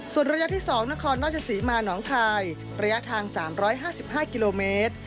ส่วนระยะที่สองนครราชสิมาน้องคายระยะทางสามร้อยห้าสิบห้ากิโลเมตร